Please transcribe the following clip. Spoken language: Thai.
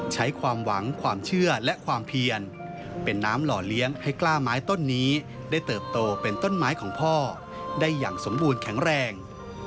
ใช้ความหวังความเชื่อและความเพียรเป็นน้ำหล่อเลี้ยงให้กล้าไม้ต้นนี้ได้เติบโตเป็นต้นไม้ของพ่อได้อย่างสมบูรณ์แข็งแรง